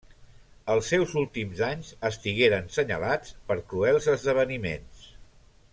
Els seus últims anys estigueren senyalats per cruels esdeveniments.